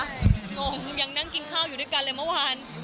งงยังนั่งกินข้าวอยู่ด้วยกันเลยเมื่อวาน